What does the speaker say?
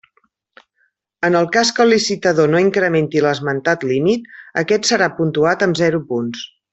En el cas que el licitador no incrementi l'esmenat límit, aquest serà puntuat amb zero punts.